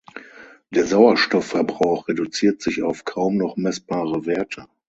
Der Sauerstoffverbrauch reduziert sich auf kaum noch messbare Werte.